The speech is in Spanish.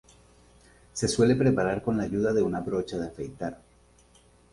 Se suele preparar con la ayuda de una brocha de afeitar.